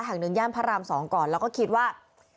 แห่งหนึ่งย่านพระราม๒ก่อนแล้วก็คิดว่า